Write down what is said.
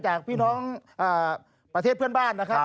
จากพี่น้องประเทศเพื่อนบ้านนะครับ